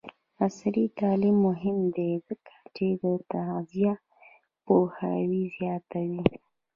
عصري تعلیم مهم دی ځکه چې د تغذیه پوهاوی زیاتوي.